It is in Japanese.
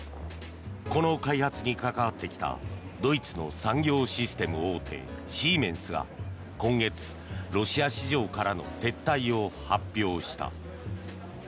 この開発に関わってきたドイツの産業システム大手シーメンスが今月ロシア市場からの撤退を発表した。